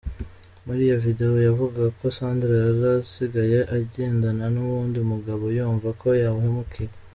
Muri iyo videwo, yavuga ko Sandra yarasigaye agendana n'uwundi mugabo, yumva ko yahemukiwe.